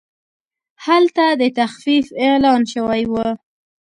هلته د تخفیف اعلان شوی و.